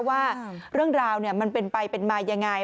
ว่าเรื่องราวมันเป็นไปเป็นมายังไง